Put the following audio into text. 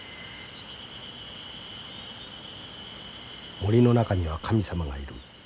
「森の中には神様がいる。